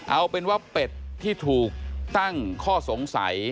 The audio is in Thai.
เอาเป็นว่าเป็ดที่ถูกตั้งข้อสงสัย